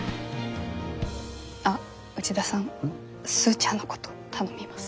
あっ内田さんスーちゃんのこと頼みます。